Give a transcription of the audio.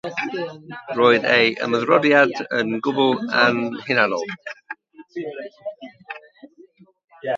Roedd ei ymroddiad yn gwbl anhunanol.